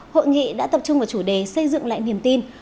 hội nghị đã tập trung vào chủ đề xây dựng lại niềm tin